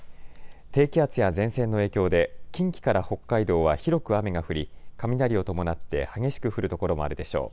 低気圧や前線の影響で近畿から北海道は広く雨が降り雷を伴って激しく降る所もあるでしょう。